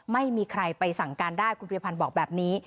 ไม่มีใครไปสั่งการได้คุณพิริพันธ์บอกแบบนี้